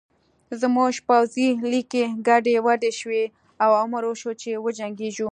زموږ پوځي لیکې ګډې وډې شوې او امر وشو چې وجنګېږو